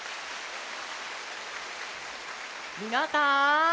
みなさん